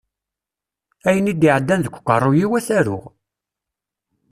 Ayen i d-iɛeddan deg uqerruy-iw ad t-aruɣ.